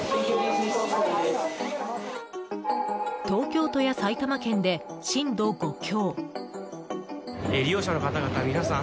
東京都や埼玉県で震度５強。